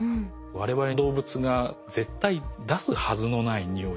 我々動物が絶対出すはずのない匂い。